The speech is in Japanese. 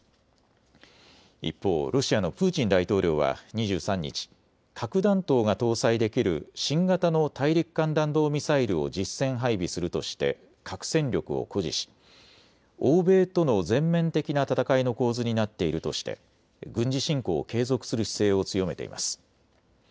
一方、ロシアのプーチン大統領は２３日、核弾頭が搭載できる新型の大陸間弾道ミサイルを実戦配備するとして核戦力を誇示し欧米との全面的な戦いの構図になっているとして軍事侵攻を継続する姿勢を強めています。